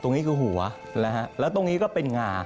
ตรงนี้คือหัวแล้วตรงนี้ก็เป็นหง่า